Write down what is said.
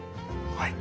はい。